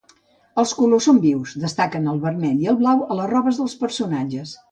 Els colors són vius, destaquen el vermell i el blau a les robes dels personatges.